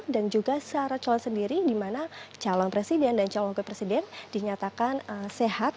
dan juga syarat calon sendiri dimana calon presiden dan calon wakil presiden dinyatakan sehat